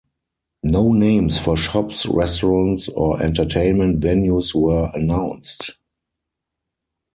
No names for shops, restaurants or entertainment venues were announced.